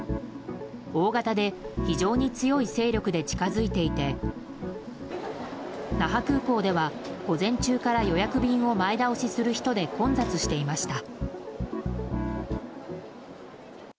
大型で非常に強い勢力で近づいていて那覇空港では午前中から予約便を前倒しする人で混雑していました。